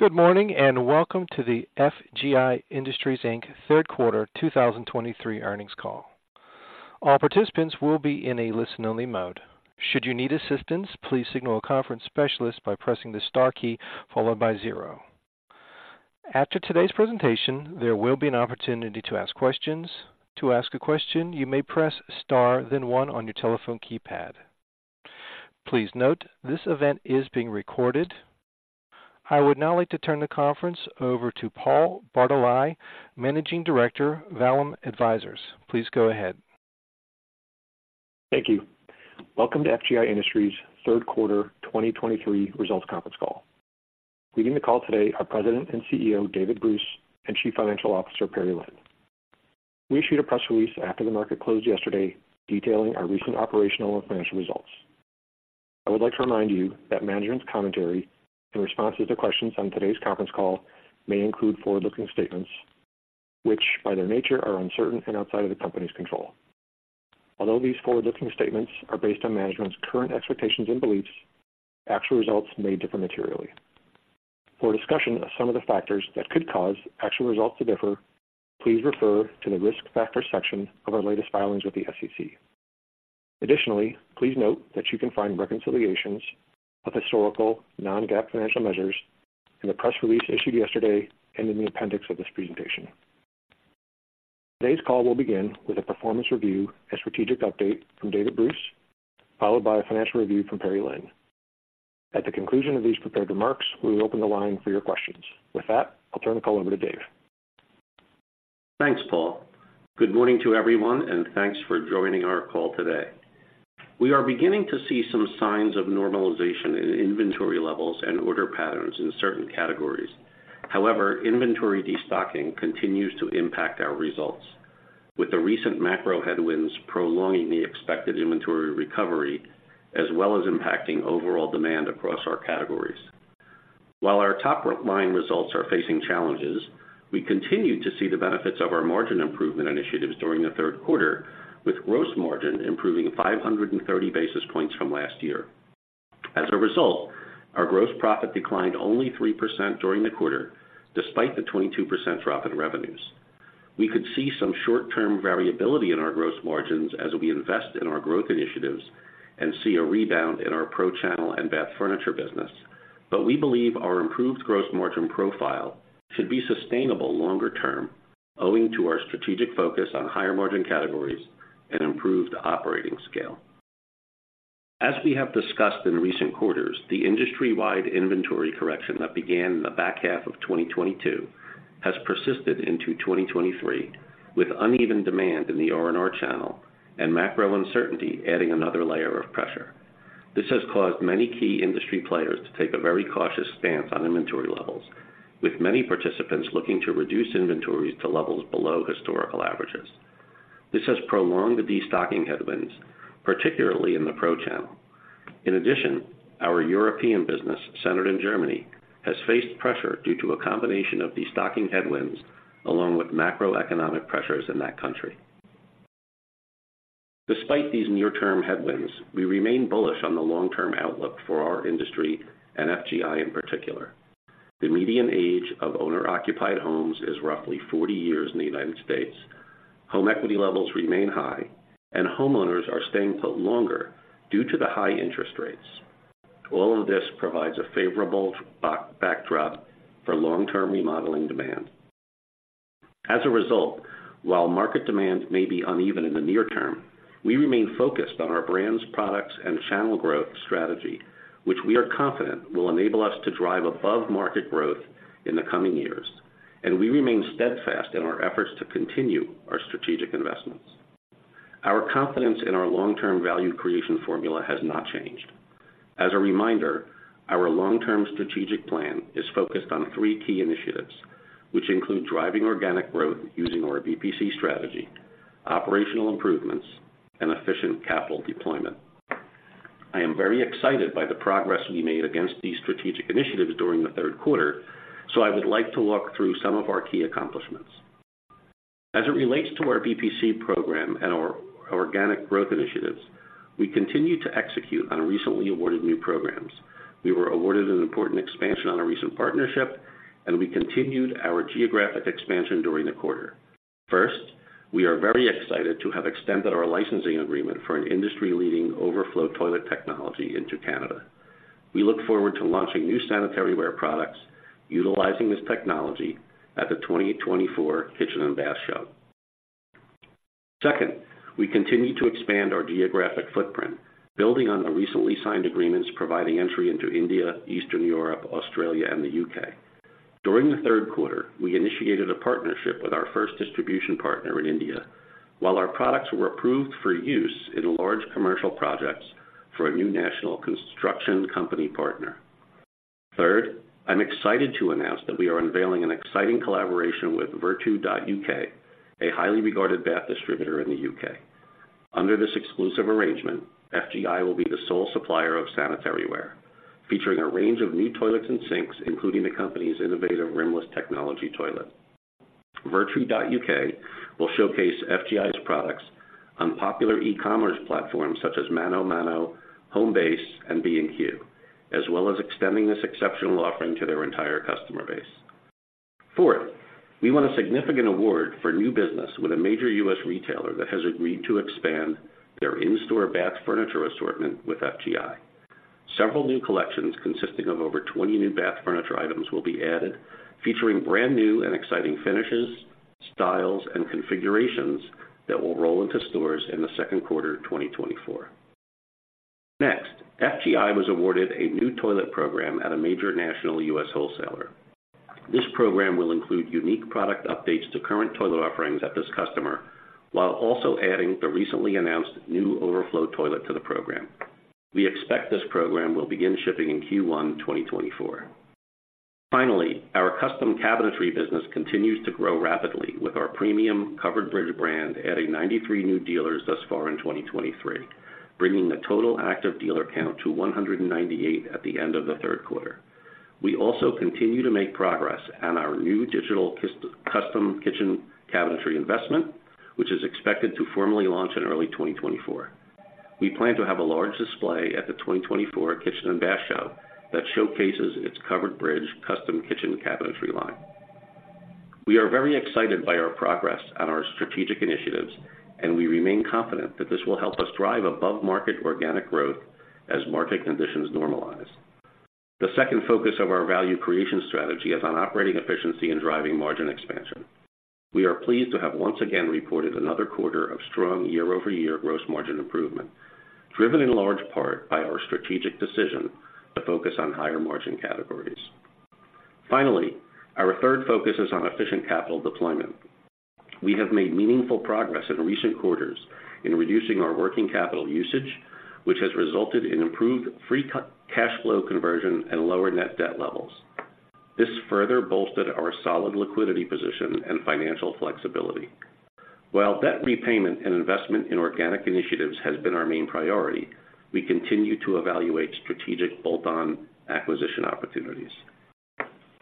Good morning, and welcome to the FGI Industries Ltd. third quarter 2023 earnings call. All participants will be in a listen-only mode. Should you need assistance, please signal a conference specialist by pressing the star key followed by zero. After today's presentation, there will be an opportunity to ask questions. To ask a question, you may press star, then one on your telephone keypad. Please note, this event is being recorded. I would now like to turn the conference over to Paul Bartolai, Managing Director, Vallum Advisors. Please go ahead. Thank you. Welcome to FGI Industries third quarter 2023 results conference call. Leading the call today are President and CEO, David Bruce, and Chief Financial Officer, Perry Lin. We issued a press release after the market closed yesterday, detailing our recent operational and financial results. I would like to remind you that management's commentary in responses to questions on today's conference call may include forward-looking statements, which, by their nature, are uncertain and outside of the Company's control. Although these forward-looking statements are based on management's current expectations and beliefs, actual results may differ materially. For a discussion of some of the factors that could cause actual results to differ, please refer to the Risk Factors section of our latest filings with the SEC. Additionally, please note that you can find reconciliations of historical non-GAAP financial measures in the press release issued yesterday and in the appendix of this presentation. Today's call will begin with a performance review and strategic update from David Bruce, followed by a financial review from Perry Lin. At the conclusion of these prepared remarks, we will open the line for your questions. With that, I'll turn the call over to Dave. Thanks, Paul. Good morning to everyone, and thanks for joining our call today. We are beginning to see some signs of normalization in inventory levels and order patterns in certain categories. However, inventory destocking continues to impact our results, with the recent macro headwinds prolonging the expected inventory recovery, as well as impacting overall demand across our categories. While our top line results are facing challenges, we continue to see the benefits of our margin improvement initiatives during the third quarter, with gross margin improving 530 basis points from last year. As a result, our gross profit declined only 3% during the quarter, despite the 22% drop in revenues. We could see some short-term variability in our gross margins as we invest in our growth initiatives and see a rebound in our pro channel and bath furniture business. But we believe our improved gross margin profile should be sustainable longer term, owing to our strategic focus on higher-margin categories and improved operating scale. As we have discussed in recent quarters, the industry-wide inventory correction that began in the back half of 2022 has persisted into 2023, with uneven demand in the R&R channel and macro uncertainty adding another layer of pressure. This has caused many key industry players to take a very cautious stance on inventory levels, with many participants looking to reduce inventories to levels below historical averages. This has prolonged the destocking headwinds, particularly in the pro channel. In addition, our European business, centered in Germany, has faced pressure due to a combination of destocking headwinds along with macroeconomic pressures in that country. Despite these near-term headwinds, we remain bullish on the long-term outlook for our industry and FGI in particular. The median age of owner-occupied homes is roughly 40 years in the United States. Home equity levels remain high, and homeowners are staying put longer due to the high interest rates. All of this provides a favorable backdrop for long-term remodeling demand. As a result, while market demand may be uneven in the near term, we remain focused on our brands, products, and channel growth strategy, which we are confident will enable us to drive above-market growth in the coming years, and we remain steadfast in our efforts to continue our strategic investments. Our confidence in our long-term value creation formula has not changed. As a reminder, our long-term strategic plan is focused on three key initiatives, which include driving organic growth using our BPC Strategy, operational improvements, and efficient capital deployment. I am very excited by the progress we made against these strategic initiatives during the third quarter, so I would like to walk through some of our key accomplishments. As it relates to our BPC program and our organic growth initiatives, we continue to execute on recently awarded new programs. We were awarded an important expansion on a recent partnership, and we continued our geographic expansion during the quarter. First, we are very excited to have extended our licensing agreement for an industry-leading overflow toilet technology into Canada. We look forward to launching new sanitaryware products utilizing this technology at the 2024 Kitchen and Bath Show. Second, we continue to expand our geographic footprint, building on the recently signed agreements providing entry into India, Eastern Europe, Australia, and the U.K. During the third quarter, we initiated a partnership with our first distribution partner in India, while our products were approved for use in large commercial projects for a new national construction company partner. Third, I'm excited to announce that we are unveiling an exciting collaboration with vurtu.uk, a highly regarded bath distributor in the U.K. Under this exclusive arrangement, FGI will be the sole supplier of sanitaryware, featuring a range of new toilets and sinks, including the company's innovative rimless technology toilet. Vurtu.uk will showcase FGI's products on popular e-commerce platforms such as ManoMano, Homebase, and B&Q, as well as extending this exceptional offering to their entire customer base. Fourth, we won a significant award for new business with a major U.S. retailer that has agreed to expand their in-store bath furniture assortment with FGI. Several new collections consisting of over 20 new bath furniture items will be added, featuring brand-new and exciting finishes, styles, and configurations that will roll into stores in the second quarter of 2024. Next, FGI was awarded a new toilet program at a major national U.S. wholesaler. This program will include unique product updates to current toilet offerings at this customer, while also adding the recently announced new overflow toilet to the program. We expect this program will begin shipping in Q1 2024. Finally, our custom cabinetry business continues to grow rapidly, with our premium Covered Bridge brand adding 93 new dealers thus far in 2023, bringing the total active dealer count to 198 at the end of the third quarter. We also continue to make progress on our new custom kitchen cabinetry investment, which is expected to formally launch in early 2024. We plan to have a large display at the 2024 Kitchen and Bath Show that showcases its Covered Bridge custom kitchen cabinetry line. We are very excited by our progress on our strategic initiatives, and we remain confident that this will help us drive above-market organic growth as market conditions normalize. The second focus of our value creation strategy is on operating efficiency and driving margin expansion. We are pleased to have once again reported another quarter of strong year-over-year gross margin improvement, driven in large part by our strategic decision to focus on higher-margin categories. Finally, our third focus is on efficient capital deployment. We have made meaningful progress in recent quarters in reducing our working capital usage, which has resulted in improved free cash flow conversion and lower net debt levels. This further bolstered our solid liquidity position and financial flexibility. While debt repayment and investment in organic initiatives has been our main priority, we continue to evaluate strategic bolt-on acquisition opportunities.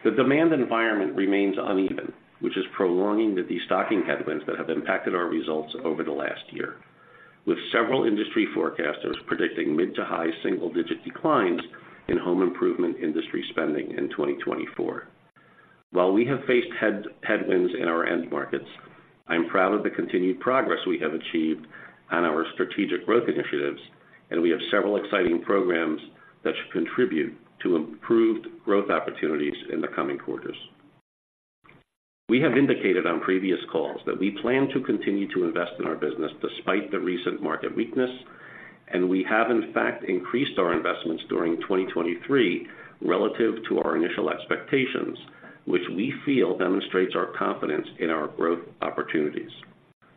The demand environment remains uneven, which is prolonging the destocking headwinds that have impacted our results over the last year, with several industry forecasters predicting mid-to-high single-digit declines in home improvement industry spending in 2024. While we have faced headwinds in our end markets, I am proud of the continued progress we have achieved on our strategic growth initiatives, and we have several exciting programs that should contribute to improved growth opportunities in the coming quarters. We have indicated on previous calls that we plan to continue to invest in our business despite the recent market weakness, and we have, in fact, increased our investments during 2023 relative to our initial expectations, which we feel demonstrates our confidence in our growth opportunities.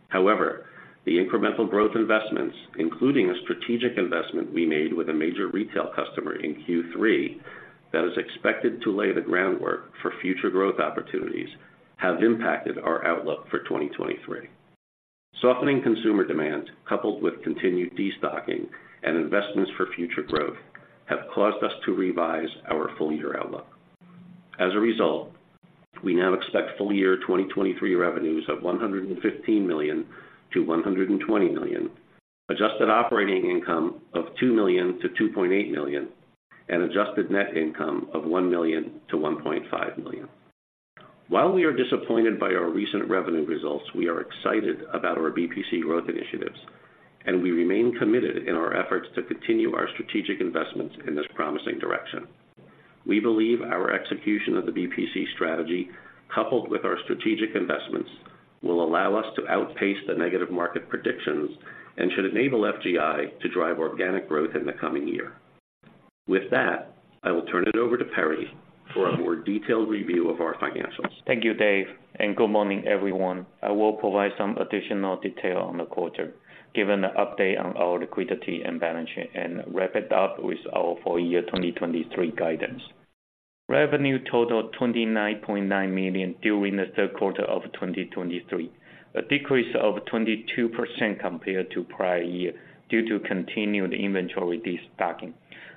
However, the incremental growth investments, including a strategic investment we made with a major retail customer in Q3 that is expected to lay the groundwork for future growth opportunities, have impacted our outlook for 2023. Softening consumer demand, coupled with continued destocking and investments for future growth, have caused us to revise our full-year outlook. As a result, we now expect full-year 2023 revenues of $115 million-$120 million, adjusted operating income of $2 million-$2.8 million, and adjusted net income of $1 million-$1.5 million. While we are disappointed by our recent revenue results, we are excited about our BPC growth initiatives, and we remain committed in our efforts to continue our strategic investments in this promising direction. We believe our execution of the BPC strategy, coupled with our strategic investments, will allow us to outpace the negative market predictions and should enable FGI to drive organic growth in the coming year. With that, I will turn it over to Perry for a more detailed review of our financials. Thank you, Dave, and good morning, everyone. I will provide some additional detail on the quarter, given the update on our liquidity and balance sheet, and wrap it up with our full year 2023 guidance. Revenue totaled $29.9 million during the third quarter of 2023, a decrease of 22% compared to prior year due to continued inventory destocking,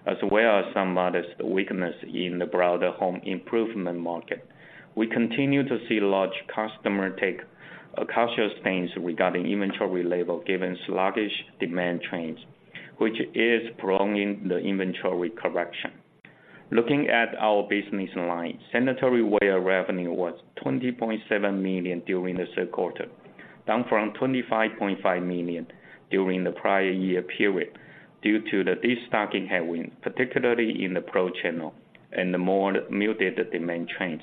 as well as some modest weakness in the broader home improvement market. We continue to see large customer take a cautious stance regarding inventory level, given sluggish demand trends, which is prolonging the inventory correction. Looking at our business line, sanitaryware revenue was $20.7 million during the third quarter, down from $25.5 million during the prior year period due to the destocking headwind, particularly in the pro channel and the more muted demand trends.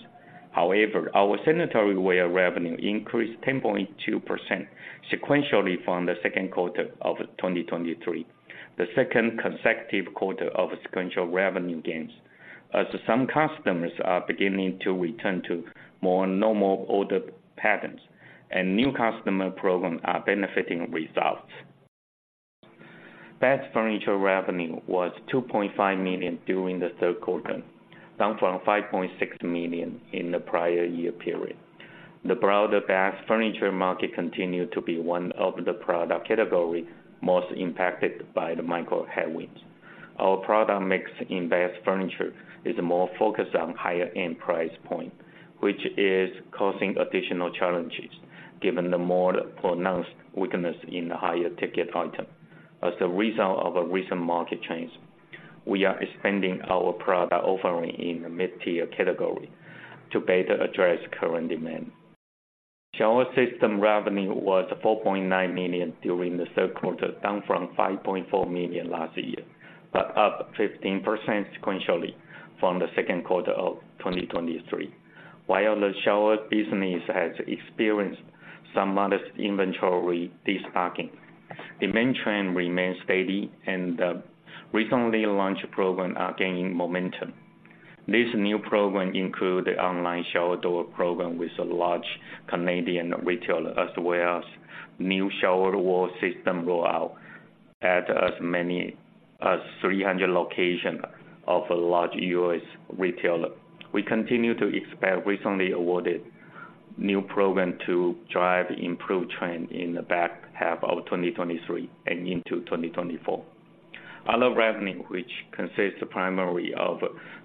However, our sanitaryware revenue increased 10.2% sequentially from the second quarter of 2023, the second consecutive quarter of sequential revenue gains, as some customers are beginning to return to more normal order patterns and new customer programs are benefiting results. Bath furniture revenue was $2.5 million during the third quarter, down from $5.6 million in the prior year period. The broader bath furniture market continued to be one of the product categories most impacted by the macro headwinds. Our product mix in bath furniture is more focused on higher end price point, which is causing additional challenges, given the more pronounced weakness in the higher ticket item. As a result of a recent market change, we are expanding our product offering in the mid-tier category to better address current demand. Shower system revenue was $4.9 million during the third quarter, down from $5.4 million last year, but up 15% sequentially from the second quarter of 2023. While the shower business has experienced some modest inventory, destocking, demand trend remains steady and recently launched program are gaining momentum. This new program include the online shower door program with a large Canadian retailer, as well as new shower wall system rollout at as many as 300 locations of a large U.S. retailer. We continue to expand recently awarded new program to drive improved trend in the back half of 2023 and into 2024. Other revenue, which consists primarily of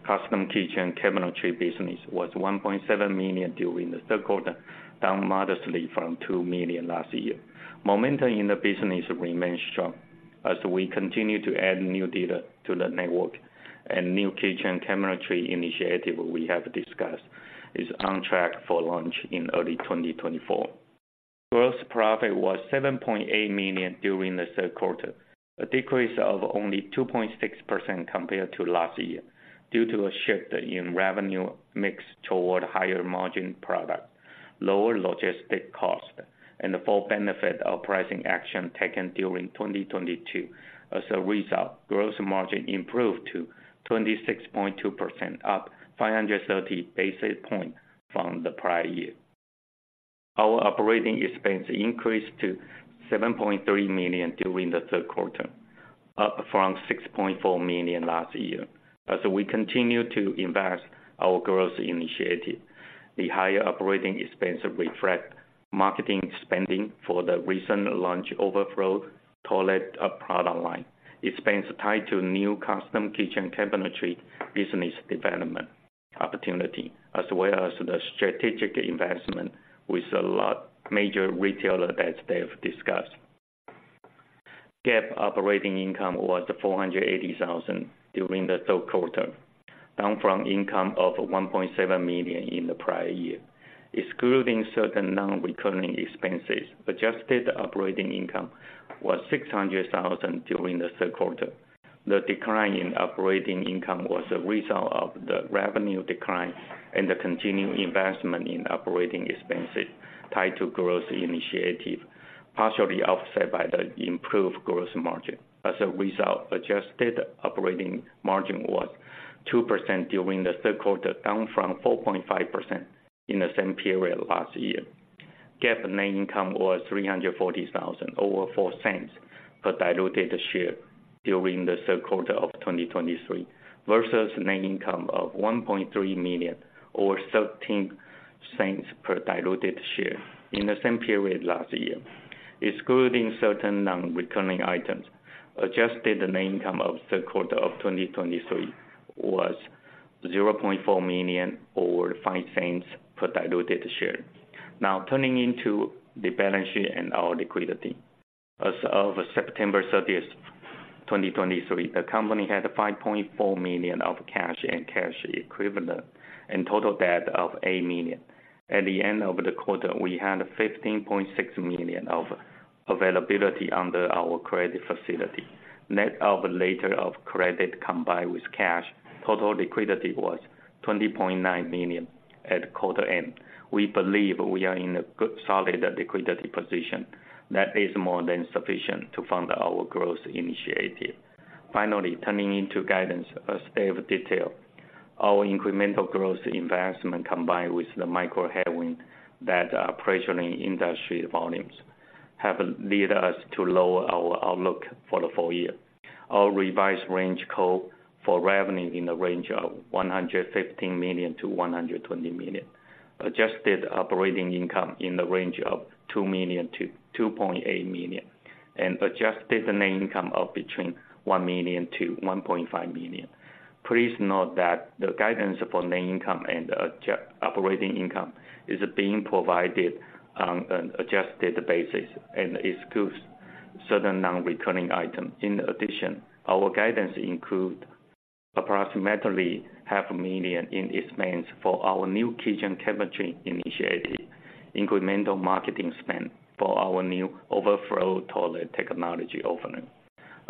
custom kitchen cabinetry business, was $1.7 million during the third quarter, down modestly from $2 million last year. Momentum in the business remains strong as we continue to add new data to the network and new kitchen cabinetry initiative we have discussed is on track for launch in early 2024. Gross profit was $7.8 million during the third quarter, a decrease of only 2.6% compared to last year, due to a shift in revenue mix toward higher margin products, lower logistic cost, and the full benefit of pricing action taken during 2022. As a result, gross margin improved to 26.2%, up 530 basis points from the prior year. Our operating expense increased to $7.3 million during the third quarter, up from $6.4 million last year. As we continue to invest in our growth initiative, the higher operating expenses reflect marketing spending for the recent launch of the overflow toilet product line, expenses tied to new custom kitchen cabinetry, business development opportunities, as well as the strategic investment with a major retailer that Dave discussed. GAAP operating income was $480,000 during the third quarter, down from income of $1.7 million in the prior year. Excluding certain non-recurring expenses, adjusted operating income was $600,000 during the third quarter. The decline in operating income was a result of the revenue decline and the continued investment in operating expenses tied to growth initiatives, partially offset by the improved gross margin. As a result, adjusted operating margin was 2% during the third quarter, down from 4.5% in the same period last year. GAAP net income was $340,000, or $0.04 per diluted share during the third quarter of 2023, versus net income of $1.3 million, or $0.13 per diluted share in the same period last year. Excluding certain non-recurring items, adjusted net income of third quarter of 2023 was $0.4 million, or $0.05 per diluted share. Now turning into the balance sheet and our liquidity. As of September 30th, 2023, the company had $5.4 million of cash and cash equivalent and total debt of $8 million. At the end of the quarter, we had $15.6 million of availability under our credit facility. Net of letter of credit combined with cash, total liquidity was $20.9 million at quarter end. We believe we are in a good, solid liquidity position that is more than sufficient to fund our growth initiative. Finally, turning into guidance, as Dave detailed, our incremental growth investment, combined with the macro headwind that are pressuring industry volumes, have led us to lower our outlook for the full year. Our revised range calls for revenue in the range of $115 million-$120 million. Adjusted operating income in the range of $2 million-$2.8 million, and adjusted net income of between $1 million-$1.5 million. Please note that the guidance for net income and adjusted operating income is being provided on an adjusted basis and excludes certain non-recurring items. In addition, our guidance includes approximately $500,000 in expense for our new kitchen cabinetry initiative, incremental marketing spend for our new overflow toilet technology offering,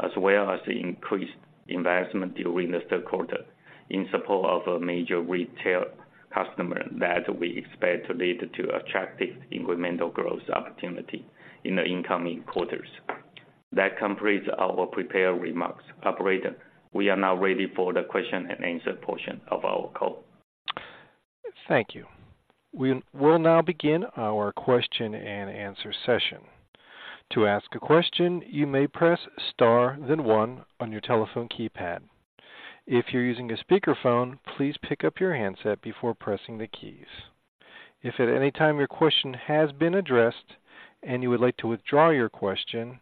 as well as increased investment during the third quarter in support of a major retail customer that we expect to lead to attractive incremental growth opportunity in the incoming quarters. That completes our prepared remarks. Operator, we are now ready for the question and answer portion of our call. Thank you. We will now begin our question and answer session. To ask a question, you may press star, then one on your telephone keypad. If you're using a speakerphone, please pick up your handset before pressing the keys. If at any time your question has been addressed and you would like to withdraw your question,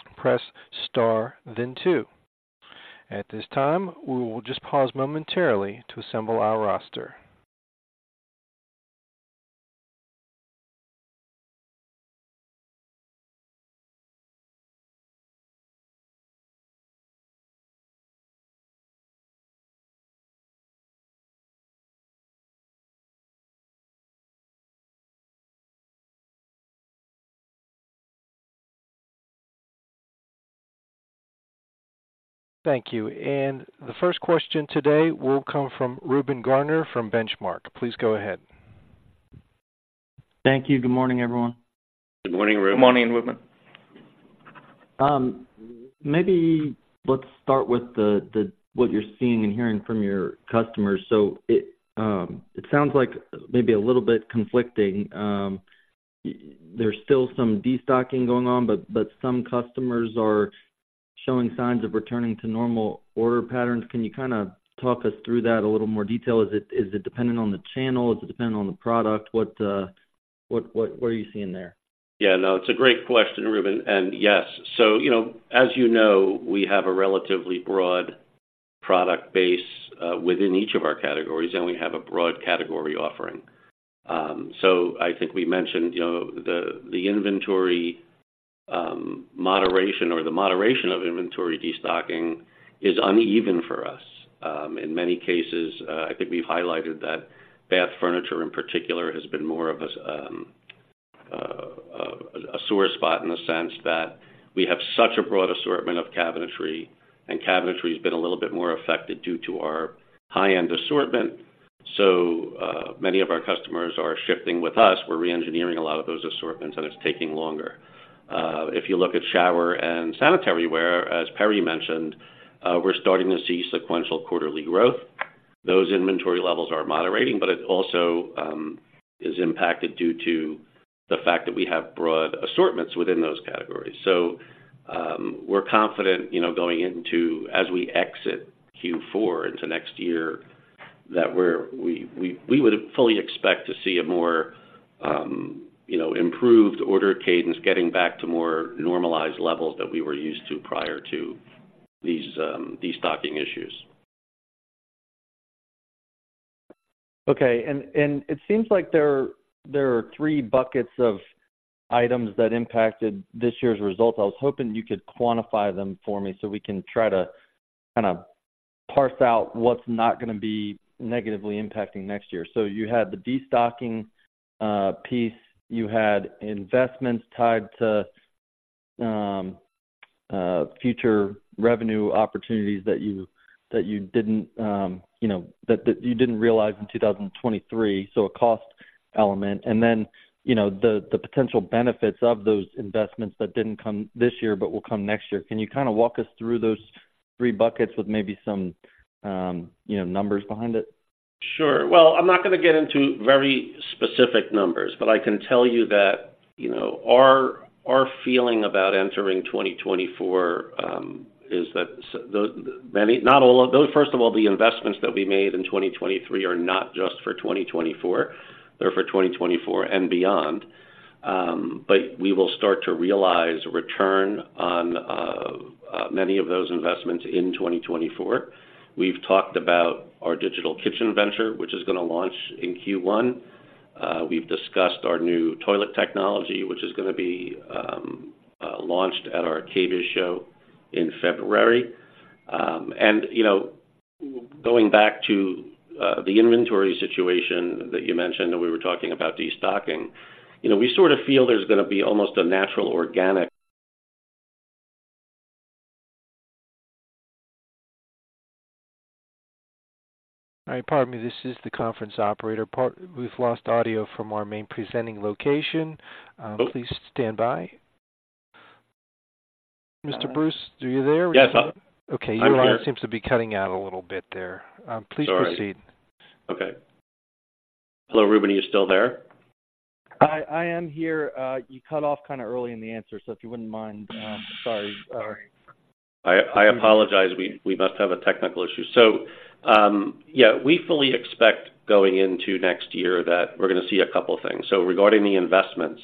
please press star, then two. At this time, we will just pause momentarily to assemble our roster. Thank you. The first question today will come from Reuben Garner from Benchmark. Please go ahead. Thank you. Good morning, everyone. Good morning, Reuben. Good morning, Reuben. Maybe let's start with the what you're seeing and hearing from your customers. So it sounds like maybe a little bit conflicting. There's still some destocking going on, but some customers are showing signs of returning to normal order patterns. Can you kind of talk us through that a little more detail? Is it dependent on the channel? Is it dependent on the product? What are you seeing there? Yeah, no, it's a great question, Reuben, and yes. So, you know, as you know, we have a relatively broad product base within each of our categories, and we have a broad category offering. So I think we mentioned, you know, the inventory moderation or the moderation of inventory destocking is uneven for us. In many cases, I think we've highlighted that bath furniture, in particular, has been more of a sore spot in the sense that we have such a broad assortment of cabinetry, and cabinetry has been a little bit more affected due to our high-end assortment. So many of our customers are shifting with us. We're reengineering a lot of those assortments, and it's taking longer. If you look at shower and sanitaryware, as Perry mentioned, we're starting to see sequential quarterly growth. Those inventory levels are moderating, but it also is impacted due to the fact that we have broad assortments within those categories. So, we're confident, you know, going into as we exit Q4 into next year, that we would fully expect to see a more, you know, improved order cadence getting back to more normalized levels that we were used to prior to these destocking issues. Okay, it seems like there are three buckets of items that impacted this year's results. I was hoping you could quantify them for me so we can try to kind of parse out what's not going to be negatively impacting next year. So you had the destocking piece, you had investments tied to future revenue opportunities that you didn't, you know, that you didn't realize in 2023, so a cost element. And then, you know, the potential benefits of those investments that didn't come this year, but will come next year. Can you kind of walk us through those three buckets with maybe some, you know, numbers behind it? Sure. Well, I'm not going to get into very specific numbers, but I can tell you that, you know, our feeling about entering 2024 is that so many, not all of those, first of all, the investments that we made in 2023 are not just for 2024, they're for 2024 and beyond. But we will start to realize a return on many of those investments in 2024. We've talked about our digital kitchen venture, which is going to launch in Q1. We've discussed our new toilet technology, which is going to be launched at our KBIS show in February. And, you know, going back to the inventory situation that you mentioned, that we were talking about destocking. You know, we sort of feel there's going to be almost a natural organic- All right. Pardon me. This is the conference operator. We've lost audio from our main presenting location. Oh. Please stand by. Mr. Bruce, are you there? Yes, I'm- Okay. I'm here. Your line seems to be cutting out a little bit there. Sorry. Please proceed. Okay. Hello, Reuben, are you still there? I am here. You cut off kind of early in the answer, so if you wouldn't mind. Sorry. I apologize. We must have a technical issue. So, yeah, we fully expect going into next year that we're going to see a couple of things. So regarding the investments,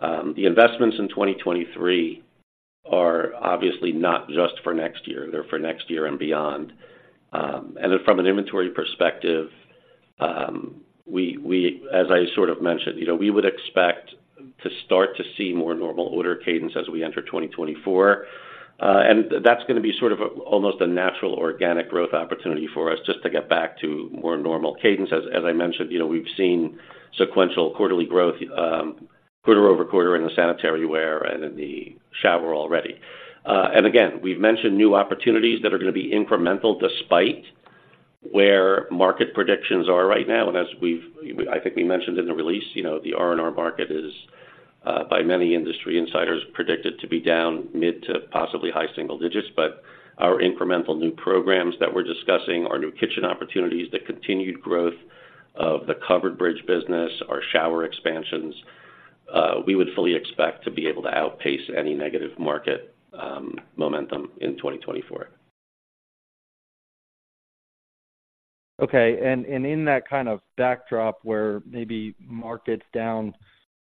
the investments in 2023 are obviously not just for next year, they're for next year and beyond. And then from an inventory perspective, we as I sort of mentioned, you know, we would expect to start to see more normal order cadence as we enter 2024. And that's going to be sort of almost a natural organic growth opportunity for us just to get back to more normal cadence. As I mentioned, you know, we've seen sequential quarterly growth, quarter-over-quarter in the sanitary ware and in the shower already. and again, we've mentioned new opportunities that are going to be incremental despite where market predictions are right now. And as we've, I think we mentioned in the release, you know, the R&R market is, by many industry insiders, predicted to be down mid to possibly high single digits. But our incremental new programs that we're discussing, our new kitchen opportunities, the continued growth of the Covered Bridge business, our shower expansions, we would fully expect to be able to outpace any negative market, momentum in 2024. Okay. And in that kind of backdrop where maybe market's down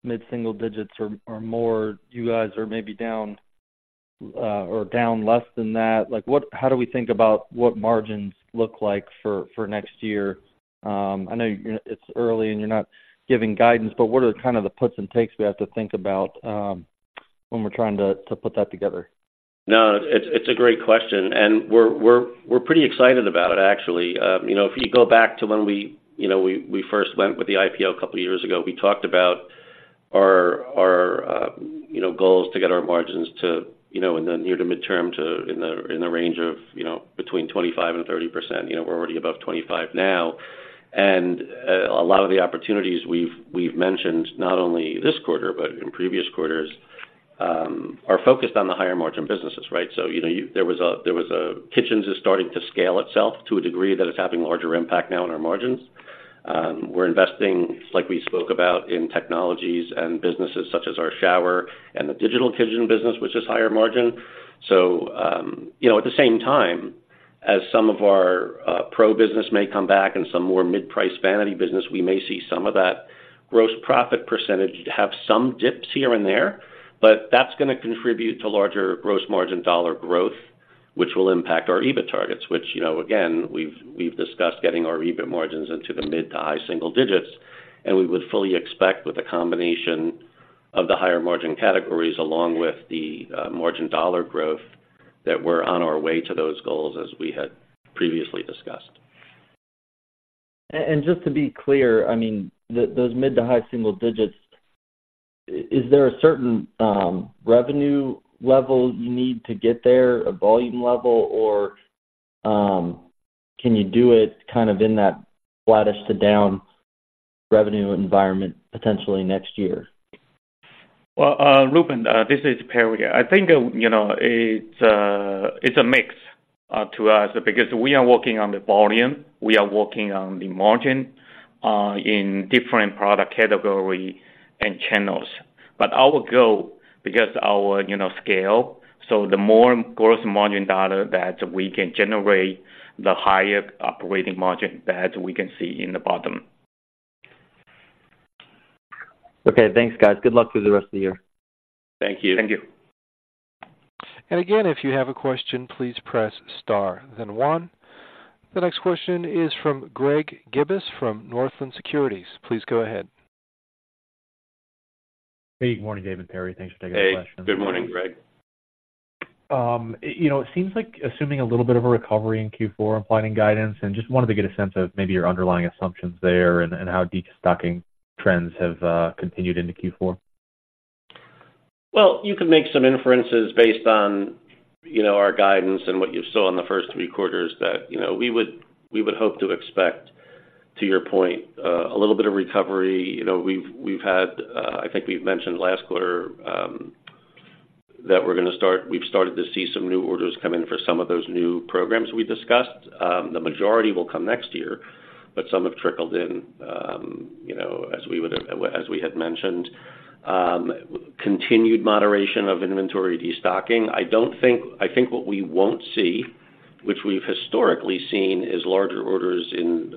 mid-single digits or more, you guys are maybe down or down less than that, like, what—how do we think about what margins look like for next year? I know you're, it's early, and you're not giving guidance, but what are the kind of the puts and takes we have to think about, when we're trying to put that together? No, it's a great question, and we're pretty excited about it, actually. You know, if you go back to when we first went with the IPO a couple of years ago, we talked about our goals to get our margins to, you know, in the near to midterm to, in the range of, you know, between 25% and 30%. You know, we're already above 25 now, and a lot of the opportunities we've mentioned, not only this quarter but in previous quarters, are focused on the higher margin businesses, right? So, you know, you. There was a, there was a, kitchens is starting to scale itself to a degree that it's having larger impact now on our margins. We're investing, like we spoke about, in technologies and businesses such as our shower and the digital kitchen business, which is higher margin. So, you know, at the same time, as some of our pro business may come back and some more mid-price vanity business, we may see some of that gross profit percentage have some dips here and there, but that's gonna contribute to larger gross margin dollar growth, which will impact our EBIT targets. Which, you know, again, we've, we've discussed getting our EBIT margins into the mid to high single digits, and we would fully expect with a combination of the higher margin categories, along with the margin dollar growth, that we're on our way to those goals as we had previously discussed. And just to be clear, I mean, those mid- to high-single digits, is there a certain revenue level you need to get there, a volume level, or can you do it kind of in that flattish to down revenue environment potentially next year? Well, Reuben, this is Perry. I think, you know, it's a mix to us because we are working on the volume, we are working on the margin in different product category and channels. But our goal, because our, you know, scale, so the more gross margin dollar that we can generate, the higher operating margin that we can see in the bottom. Okay, thanks, guys. Good luck with the rest of the year. Thank you. Thank you. And again, if you have a question, please press star, then one. The next question is from Greg Gibas from Northland Securities. Please go ahead. Hey, good morning, David and Perry. Thanks for taking our question. Hey, good morning, Greg. You know, it seems like, assuming a little bit of a recovery in Q4 and planning guidance, and just wanted to get a sense of maybe your underlying assumptions there and how destocking trends have continued into Q4? Well, you can make some inferences based on, you know, our guidance and what you saw in the first three quarters, that, you know, we would, we would hope to expect, to your point, a little bit of recovery. You know, we've, we've had, I think we've mentioned last quarter, that we're gonna start-- we've started to see some new orders come in for some of those new programs we discussed. The majority will come next year, but some have trickled in, you know, as we would, as we had mentioned. Continued moderation of inventory destocking. I don't think. I think what we won't see, which we've historically seen, is larger orders in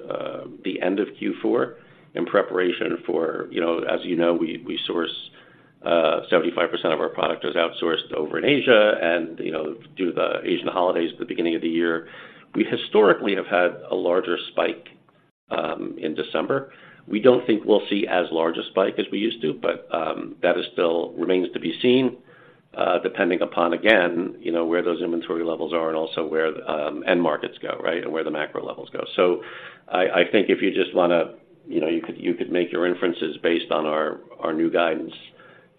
the end of Q4 in preparation for, you know, as you know, we, we source 75% of our product is outsourced over in Asia, and, you know, due to the Asian holidays at the beginning of the year, we historically have had a larger spike in December. We don't think we'll see as large a spike as we used to, but that still remains to be seen depending upon, again, you know, where those inventory levels are and also where the end markets go, right? And where the macro levels go. So I, I think if you just wanna, you know, you could, you could make your inferences based on our, our new guidance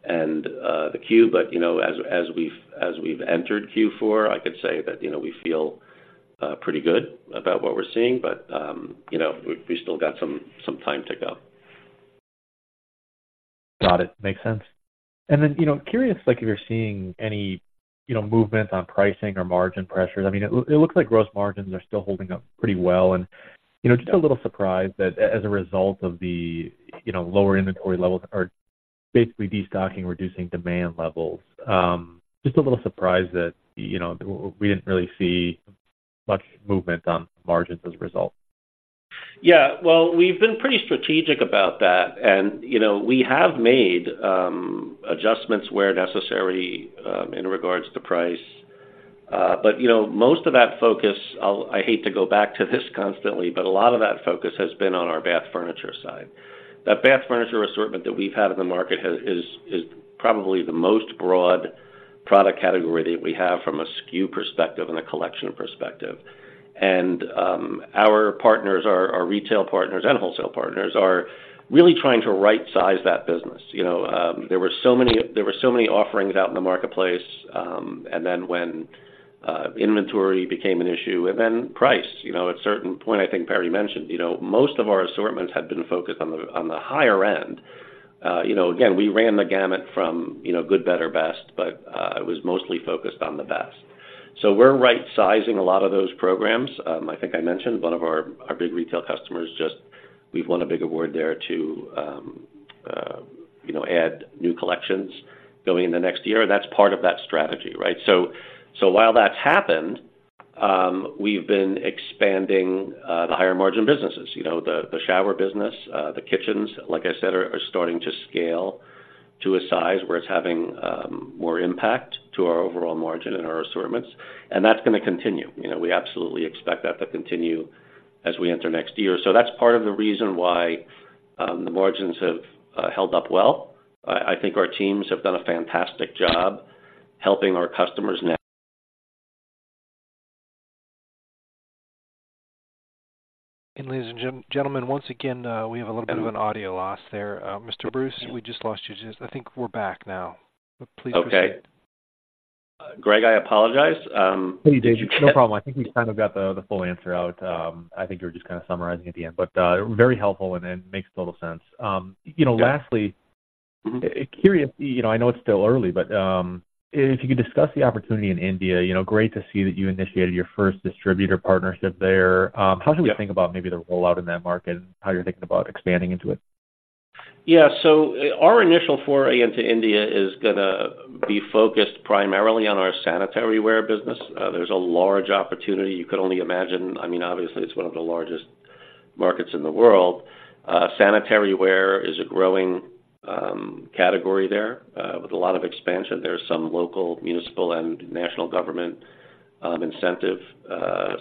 and the Q. But, you know, as we've entered Q4, I could say that, you know, we feel pretty good about what we're seeing, but, you know, we still got some time to go. Got it. Makes sense. And then, you know, curious, like, if you're seeing any, you know, movement on pricing or margin pressures. I mean, it look, it looks like gross margins are still holding up pretty well. And, you know, just a little surprised that as a result of the, you know, lower inventory levels or basically destocking, reducing demand levels, just a little surprised that, you know, we didn't really see much movement on margins as a result. Yeah, well, we've been pretty strategic about that, and, you know, we have made adjustments where necessary in regards to price. But, you know, most of that focus, I hate to go back to this constantly, but a lot of that focus has been on our bath furniture side. That bath furniture assortment that we've had in the market is probably the most broad product category that we have from a SKU perspective and a collection perspective. Our partners, our retail partners and wholesale partners are really trying to rightsize that business. You know, there were so many, there were so many offerings out in the marketplace, and then when, inventory became an issue, and then price, you know, at certain point, I think Perry mentioned, you know, most of our assortments had been focused on the, on the higher end. You know, again, we ran the gamut from, you know, good, better, best, but, it was mostly focused on the best. So we're right sizing a lot of those programs. I think I mentioned one of our, our big retail customers, just we've won a big award there to, you know, add new collections going in the next year, and that's part of that strategy, right? So, so while that's happened, we've been expanding, the higher margin businesses. You know, the shower business, the kitchens, like I said, are starting to scale to a size where it's having more impact to our overall margin and our assortments, and that's going to continue. You know, we absolutely expect that to continue as we enter next year. So that's part of the reason why the margins have held up well. I think our teams have done a fantastic job helping our customers na- Ladies and gentlemen, once again, we have a little bit of an audio loss there. Mr. Bruce, we just lost you. Just, I think we're back now. But please proceed. Okay. Greg, I apologize, Hey, David, no problem. I think we kind of got the full answer out. I think you were just kind of summarizing at the end, but very helpful and makes total sense. You know- Yeah. Lastly- Mm-hmm. Curious, you know, I know it's still early, but, if you could discuss the opportunity in India, you know, great to see that you initiated your first distributor partnership there. Yeah. How should we think about maybe the rollout in that market and how you're thinking about expanding into it? Yeah. So our initial foray into India is gonna be focused primarily on our sanitaryware business. There's a large opportunity. You could only imagine. I mean, obviously, it's one of the largest markets in the world. Sanitaryware is a growing category there with a lot of expansion. There's some local, municipal, and national government incentive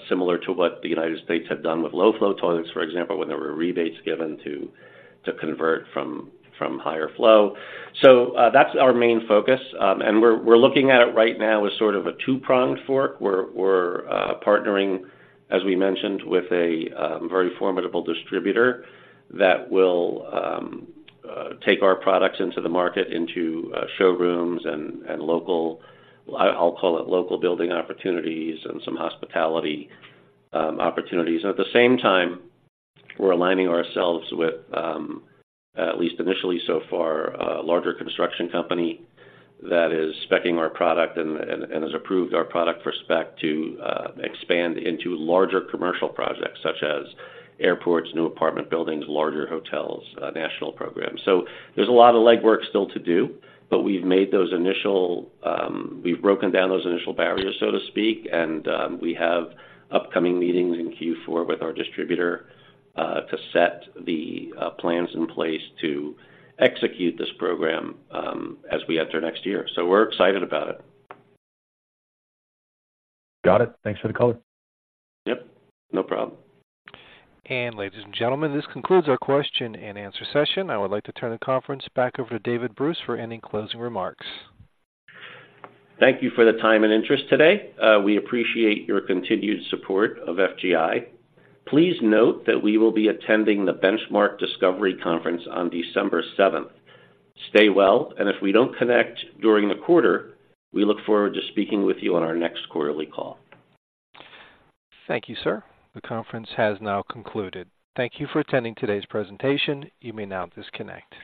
similar to what the United States had done with low-flow toilets, for example, when there were rebates given to convert from higher flow. So, that's our main focus. And we're partnering, as we mentioned, with a very formidable distributor that will take our products into the market, into showrooms and local – I'll call it local building opportunities and some hospitality opportunities. At the same time, we're aligning ourselves with, at least initially so far, a larger construction company that is speccing our product and has approved our product for spec to expand into larger commercial projects such as airports, new apartment buildings, larger hotels, national programs. So there's a lot of legwork still to do, but we've made those initial, we've broken down those initial barriers, so to speak, and we have upcoming meetings in Q4 with our distributor to set the plans in place to execute this program as we enter next year. So we're excited about it. Got it. Thanks for the color. Yep, no problem. Ladies and gentlemen, this concludes our question and answer session. I would like to turn the conference back over to David Bruce for any closing remarks. Thank you for the time and interest today. We appreciate your continued support of FGI. Please note that we will be attending the Benchmark Discovery Conference on December 7th. Stay well, and if we don't connect during the quarter, we look forward to speaking with you on our next quarterly call. Thank you, sir. The conference has now concluded. Thank you for attending today's presentation. You may now disconnect.